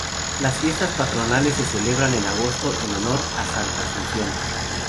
Las fiestas patronales se celebran en agosto en honor a Santa Asunción.